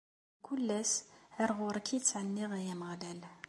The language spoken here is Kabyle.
Mkul ass, ar ɣur-k i ttɛenniɣ, ay Ameɣlal.